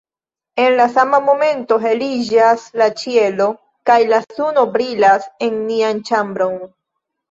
En la sama momento heliĝas la ĉielo kaj la suno brilas en nian ĉambron.